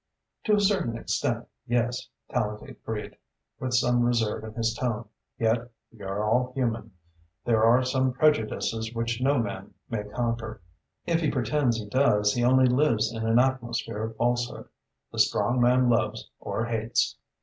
"To a certain extent, yes," Tallente agreed, with some reserve in his tone, "yet we are all human. There are some prejudices which no man may conquer. If he pretends he does, he only lives in an atmosphere of falsehood. The strong man loves or hates."